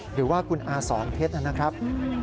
หรือว่าคุณอาสอนเพชรนะครับ